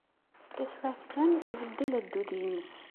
Taswiɛt kan, ibeddel addud-nnes.